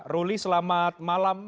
ruli selamat malam